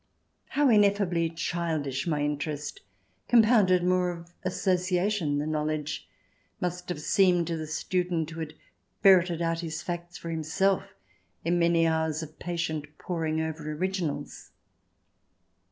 How ineffably childish my interest, com pounded more of association than knowledge, must have seemed to the student who had ferreted out his facts for himself in many hours of patient poring over originals